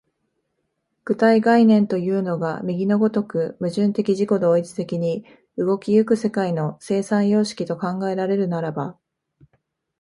具体概念というのが右の如く矛盾的自己同一的に動き行く世界の生産様式と考えられるならば、